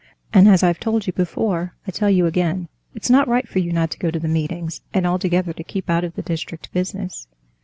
And as I've told you before, I tell you again: it's not right for you not to go to the meetings, and altogether to keep out of the district business.